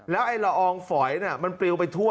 แล้วไอ้ละอองฝอยมันปลิวไปทั่ว